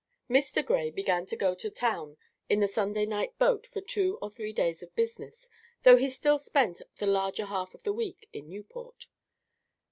Mr. Gray began to go to town in the Sunday night boat for two or three days of business, though he still spent the larger half of the week in Newport.